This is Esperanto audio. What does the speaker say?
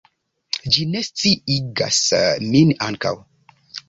Ĝi ne sciigas min ankaŭ!